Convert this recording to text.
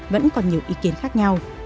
vẫn còn nhiều ý kiến khác nhau